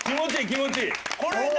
気持ちいい！